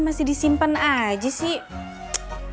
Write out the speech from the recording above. masih disimpen aja sih